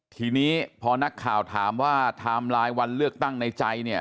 ทีนี้พอนักข่าวถามว่าไทม์ไลน์วันเลือกตั้งในใจเนี่ย